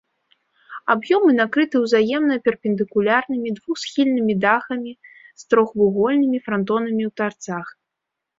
Аб'ёмы накрыты ўзаемна перпендыкулярнымі двухсхільнымі дахамі з трохвугольнымі франтонамі ў тарцах.